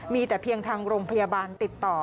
มีแต่เพียงทางโรงพยาบาลติดต่อ